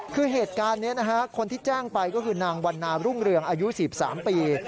คือเหตุการณ์นี้คนที่แจ้งไปก็คือนางวันนารุ่งเรืองอายุ๑๓ปี